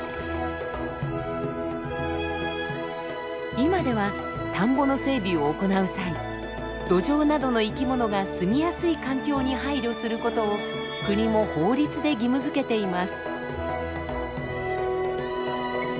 今では田んぼの整備を行う際ドジョウなどの生きものがすみやすい環境に配慮する事を国も法律で義務づけています。